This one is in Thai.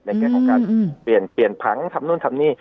ในแก่ของการเปลี่ยนผังทำนู่นทำนี่